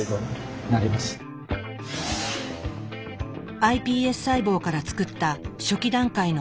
ｉＰＳ細胞から作った初期段階の肝臓。